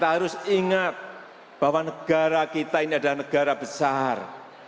kita harus ingat bahwa negara kita ini adalah negara besar